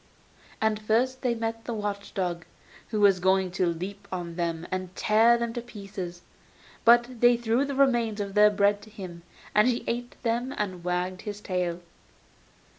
And first they met the watch dog, who was going to leap on them and tear them to pieces; but they threw the remains of their bread to him, and he ate them and wagged his tail.